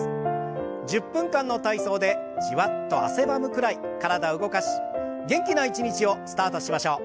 １０分間の体操でじわっと汗ばむくらい体を動かし元気な一日をスタートしましょう。